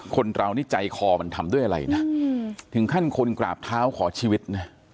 คนเรานี่ใจคอมันทำด้วยอะไรนะถึงขั้นคนกราบเท้าขอชีวิตนะ